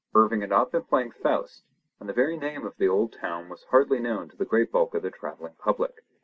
Irving had not been playing Faust, and the very name of the old town was hardly known to the great bulk of the travelling public.